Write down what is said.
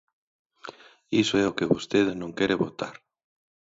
Iso é o que vostede non quere votar.